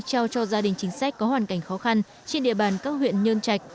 trao cho gia đình chính sách có hoàn cảnh khó khăn trên địa bàn các huyện nhơn trạch